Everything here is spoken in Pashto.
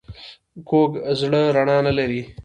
کوږ زړه رڼا نه لري